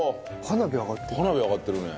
花火あがってるね。